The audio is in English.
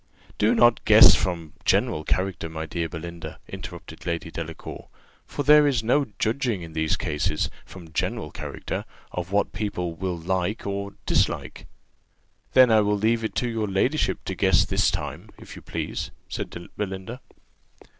"Do not guess from general character, my dear Belinda," interrupted Lady Delacour; "for there is no judging, in these cases, from general character, of what people will like or dislike." "Then I will leave it to your ladyship to guess this time, if you please," said Belinda.